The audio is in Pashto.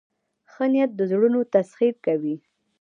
ښه نیت د زړونو تسخیر کوي.